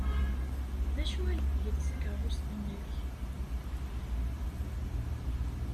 D acu ay tgiḍ s tkeṛṛust-nnek?